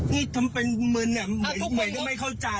นี่ทำเป็นมึนเหมือนไม่เข้าใจ